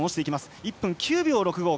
１分９秒６５。